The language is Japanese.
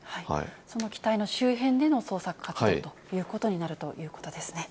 その機体の周辺での捜索活動ということになるということですね。